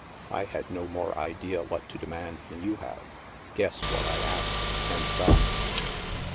I had no more idea what to demand than you have. Guess what I asked — and got."